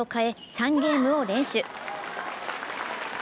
３ゲームを連取。